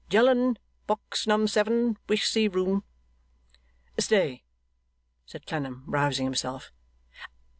'Gelen box num seven wish see room!' 'Stay!' said Clennam, rousing himself.